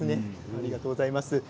ありがとうございます。